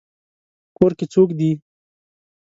کور کې څوک دی؟